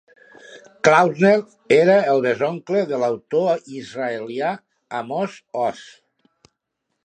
Klausner era el besoncle de l'autor israelià Amos Oz.